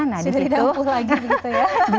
sudah didampung lagi begitu ya